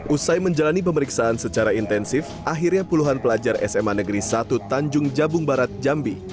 usai menjalani pemeriksaan secara intensif akhirnya puluhan pelajar sma negeri satu tanjung jabung barat jambi